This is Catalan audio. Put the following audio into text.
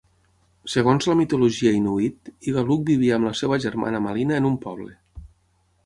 Segons la mitologia inuit, Igaluk vivia amb la seva germana Malina en un poble.